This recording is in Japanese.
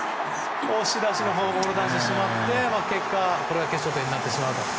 押し出しのフォアボールになってしまって結果、これが決勝点になってしまうと。